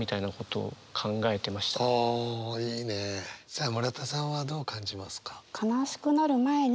さあ村田さんはどう感じますか？